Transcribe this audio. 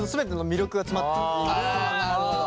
あなるほど。